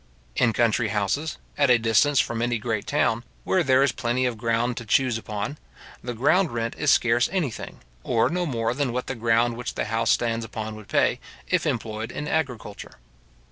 In country houses, at a distance from any great town, where there is plenty of ground to chuse upon, the ground rent is scarce anything, or no more than what the ground which the house stands upon would pay, if employed in agriculture.